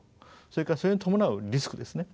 それからそれに伴うリスクですね。